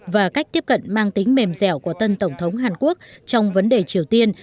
và cách tiếp cận mang tính mềm dẻo của tân tổng thống hàn quốc trong vấn đề triều tiên